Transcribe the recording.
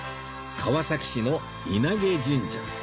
川崎市の稲毛神社